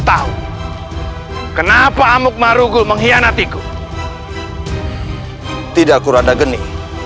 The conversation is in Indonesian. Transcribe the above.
dengar penjelasanku kuranda geni